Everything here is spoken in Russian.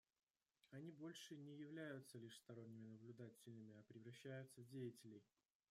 Они больше не являются лишь сторонними наблюдателями, а превращаются в деятелей.